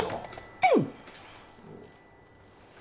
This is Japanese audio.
うん。